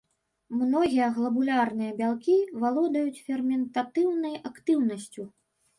Многія глабулярныя бялкі валодаюць ферментатыўнай актыўнасцю.